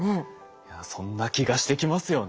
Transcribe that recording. いやそんな気がしてきますよね。